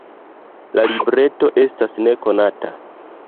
La libreto estas nekonata.